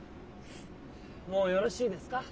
もうよろしいですか？